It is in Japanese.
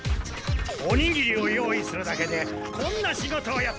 おにぎりを用意するだけでこんな仕事をやってもらえるとは。